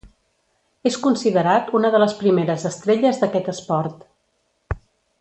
És considerat una de les primeres estrelles d'aquest esport.